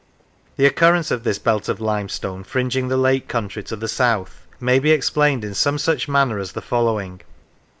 The occurrence of this belt of limestone fringing the lake country to the south may be explained in some such manner as the following.